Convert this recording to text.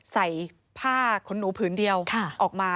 ใส่ผ้าขนหนูผืนเดียวออกมา